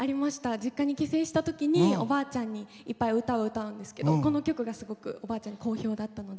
実家に帰省したときにおばあちゃんに、いっぱい歌を歌うんですけど、この曲がすごくおばあちゃんに好評だったので。